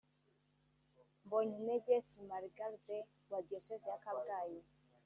Mbonyintege Simargde (wa Diocèse ya Kabgayi)